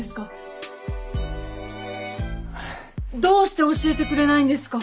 どうして教えてくれないんですか？